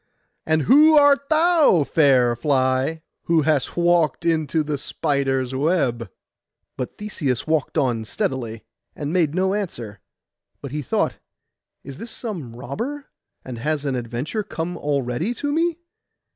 'And who art thou, fair fly, who hast walked into the spider's web?' But Theseus walked on steadily, and made no answer; but he thought, 'Is this some robber? and has an adventure come already to me?